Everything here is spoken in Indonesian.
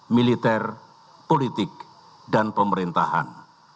militer politik dan pemerintahan